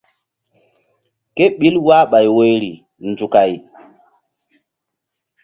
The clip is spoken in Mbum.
Ké ɓil wahɓay woyri nzukay.